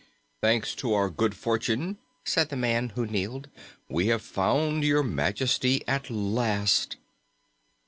"Thanks to our good fortune," said the man who kneeled, "we have found Your Majesty at last!"